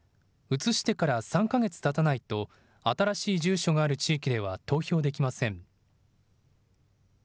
移してから３か月たたないと新しい住所がある地域では投票できません。